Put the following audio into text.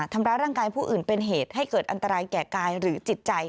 ทำร้ายร่างกายผู้อื่นเป็นเหตุให้เกิดอันตรายแก่กายหรือจิตใจ